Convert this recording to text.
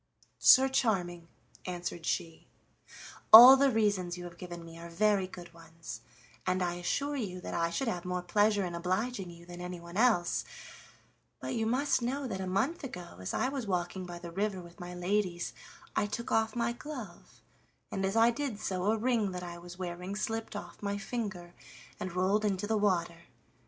"Sir Charming," answered she, "all the reasons you have given me are very good ones, and I assure you that I should have more pleasure in obliging you than anyone else, but you must know that a month ago as I was walking by the river with my ladies I took off my glove, and as I did so a ring that I was wearing slipped off my finger and rolled into the water.